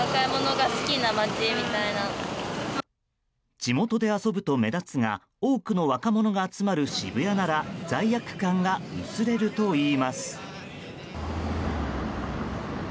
地元で遊ぶと目立つが多くの若者が集まる渋谷なら罪悪感が薄れるといいます。